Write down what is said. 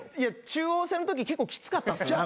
中央線のとき結構きつかったんですよ。